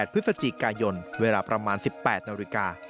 พฤศจิกายนเวลาประมาณ๑๘นาฬิกา